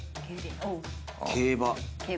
競馬。